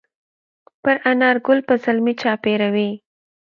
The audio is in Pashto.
پر انارګل به زلمي چاپېروي